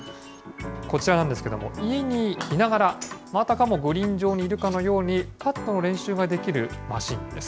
こちらなんですけれども、家にいながら、あたかもグリーン上にいるかのように、パットの練習ができるマシンです。